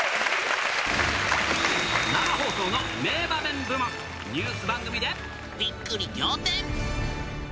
生放送の名場面部門、ニューびっくり仰天。